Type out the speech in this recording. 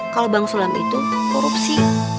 kalau bang sulam itu korupsi